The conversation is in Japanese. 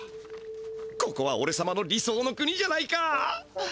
ここはおれさまの理想の国じゃないか！？